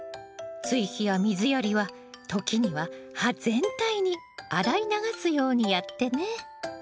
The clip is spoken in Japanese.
追肥や水やりは時には葉全体に洗い流すようにやってね。